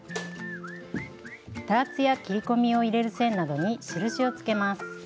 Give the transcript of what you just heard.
ダーツや切り込みを入れる線などに印をつけます。